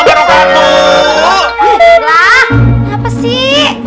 wah kenapa sih